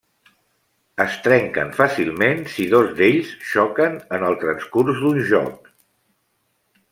Es trenquen fàcilment si dos d'ells xoquen en el transcurs d'un joc.